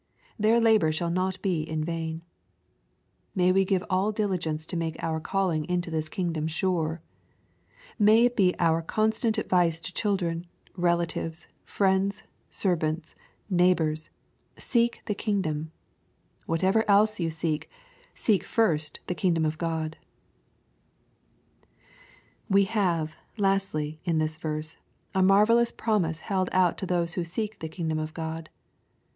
Their labor shall not be in vain. May we give all diligence to make our caUing into this kingdom sure ! May it be our con stant advice to children, relatives, friends, servants, neigh bors, Seek the kingdom 1'' Whatever else you seek^ " Seek first the kingdom of God 1" We have, lastly, in these verse, a marvellous promise h^d ovit to those who seek the kingdom of God.